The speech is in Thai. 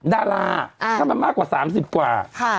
ดาราเอ่อขั้นมามากกว่า๓๐กว่า